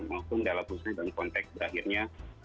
maupun dalam khususnya dalam konteks berakhirnya